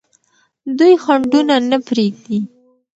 دوی خنډونه نه پرېږدي.